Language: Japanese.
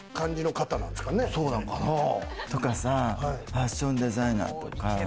ファッションデザイナーとか？